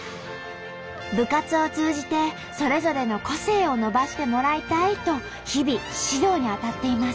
部活を通じてそれぞれの個性を伸ばしてもらいたいと日々指導に当たっています。